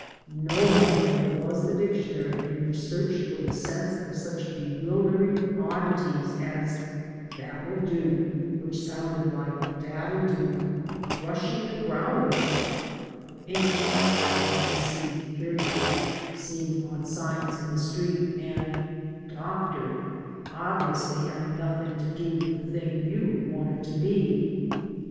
No more helpful was the dictionary in your search for the sense of such bewildering oddities as "that wiU do" (which sounded like "dadldoo"), 104 VENTURES AND ADVENTURES "rushing the growler," "inc." (seen on signs in the street), and "Dr." (obviously having nothing to do with the thing you wanted to be).